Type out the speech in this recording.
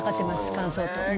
乾燥と。